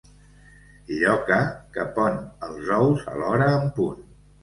Lloca que pon els ous a l'hora en punt.